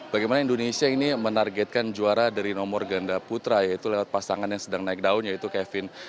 bagaimana indonesia ini menargetkan juara dari nomor ganda putra yaitu lewat pasangan yang sedang naik daun yaitu kevin